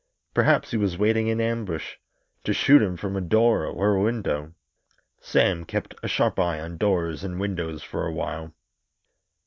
Perhaps he was waiting in ambush, to shoot him from a door or a window. Sam kept a sharp eye on doors and windows for a while.